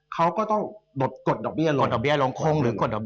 เขาก็ต้องกดดอกเบี้ยลง